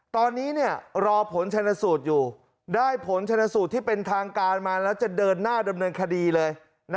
ตอนนี้รอผลชนสูตรอยู่ได้ผลชนสูตรที่เป็นทางการมาแล้วจะเดินหน้าดำเนินคดีเลย